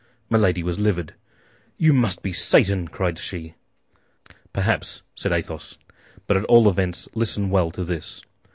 Milady was livid. "You must be Satan!" cried she. "Perhaps," said Athos; "But at all events listen well to this.